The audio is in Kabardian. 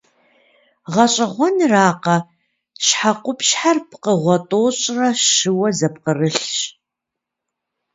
Гъэщӏэгъуэнракъэ, щхьэкъупщхьэр пкъыгъуэ тӏощӏрэ щыуэ зэпкърылъщ.